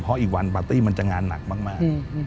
เพราะอีกวันปาร์ตี้มันจะงานหนักมาก